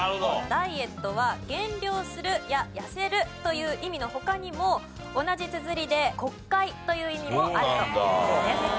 「Ｄｉｅｔ」は「減量する」や「痩せる」という意味の他にも同じつづりで「国会」という意味もあるという事です。